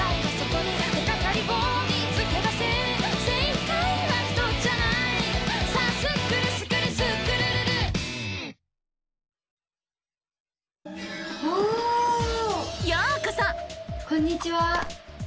こんにちは。